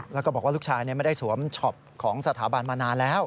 แล้วก็บอกว่าลูกชายไม่ได้สวมช็อปของสถาบันมานานแล้ว